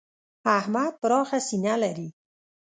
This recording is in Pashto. احمد پراخه سینه لري.